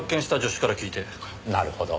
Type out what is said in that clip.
なるほど。